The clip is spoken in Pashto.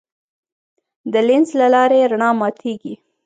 د لینز له لارې رڼا ماتېږي.